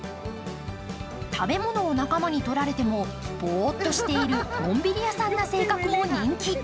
食べ物を仲間に取られてもボーッとしているのんびり屋さんも人気。